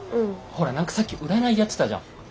ほら何かさっき占いやってたじゃん？